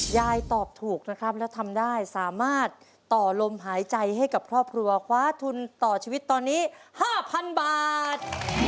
ยายตอบถูกนะครับแล้วทำได้สามารถต่อลมหายใจให้กับครอบครัวคว้าทุนต่อชีวิตตอนนี้๕๐๐๐บาท